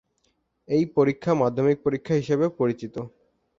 এই পরীক্ষা মাধ্যমিক পরীক্ষা হিসেবেও পরিচিত।